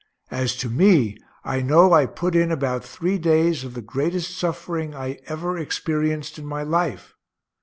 As to me, I know I put in about three days of the greatest suffering I ever experienced in my life.